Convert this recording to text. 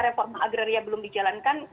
reform agraria belum dijalankan